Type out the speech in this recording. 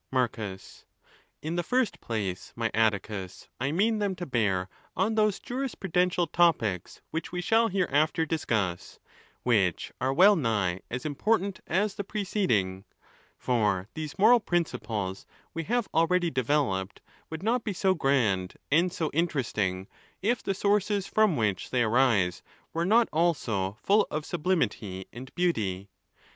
Marcus.—Iin the first place, my Atticus, I mean them to bear on those jurisprudential topies which we shall hereafter discuss, which are well nigh as important as the preceding. For these moral principles we have already developed, would not be so grand and so interesting, if the sources from which they arise were not also full of sublimity and beauty.